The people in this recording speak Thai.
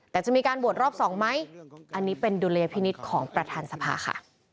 แต่จะมีการโหวตรอบ๒ไหมอันนี้เป็นดุลยพินิษฐ์ของประธานสภาค่ะ